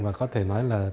và có thể nói là